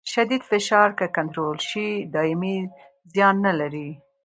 شدید فشار که کنټرول شي دایمي زیان نه لري.